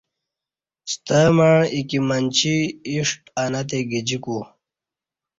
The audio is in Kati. ستمع ایکی منچی ی ݜٹہ انہ تےگجیکو